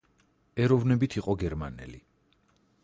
ეროვნებით იყო გერმანელი.